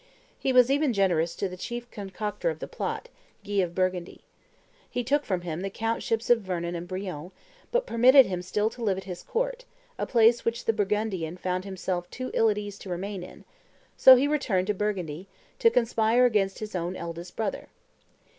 He was even generous to the chief concocter of the plot, Guy of Burgundy. He took from him the countships of Vernon and Brionne, but permitted him still to live at his court, a place which the Burgundian found himself too ill at ease to remain in, so he returned to Burgundy, to conspire against his own eldest brother.